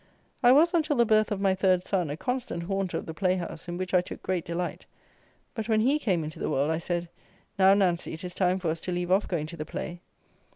I was, until the birth of my third son, a constant haunter of the playhouse, in which I took great delight; but when he came into the world I said, "Now, Nancy, it is time for us to leave off going to the play."